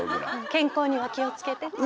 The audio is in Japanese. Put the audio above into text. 健康には気を付けてね。